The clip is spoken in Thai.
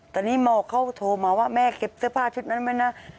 ตอนนี้หมอเขาโทรมาว่าแม่เก็บเสื้อผ้าชุดนั้นไหมนะ